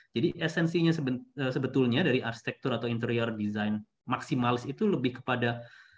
jadi esensinya sebetulnya dari arsitektur atau interior desain maksimalis itu lebih kepada